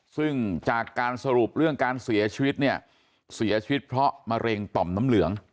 ซึ่งจากการสรุปเรื่องการเสียชีวิตเนี่ยเสียชีวิตเสียชีวิตเพราะมะเร็งต่อมน้ำเหลือง